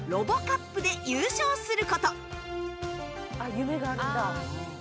「夢があるんだ」